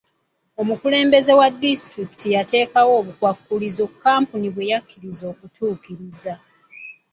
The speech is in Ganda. Omukulembeze wa disitulikiti yateekawo obukwakkulizo Kkampuni bwe yakkiriza okutuukiriza.